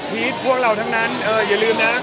ส่วนที่เราไม่รู้เรื่อง